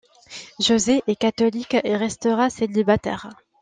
José est catholique et restera célibataire.